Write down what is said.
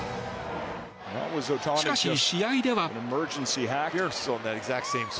しかし、試合では。